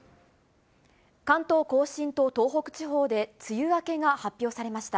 関東甲信と東北地方で梅雨明けが発表されました。